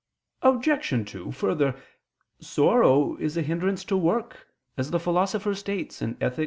Obj. 2: Further, sorrow is a hindrance to work, as the Philosopher states (Ethic.